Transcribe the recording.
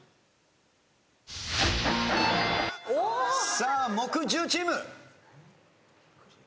さあ木１０チーム。